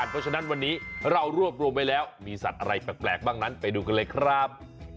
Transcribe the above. เพราะฉะนั้นวันนี้เรารวบรวมไว้แล้วมีสัตว์อะไรแปลกบ้างนั้นไปดูกันเลยครับ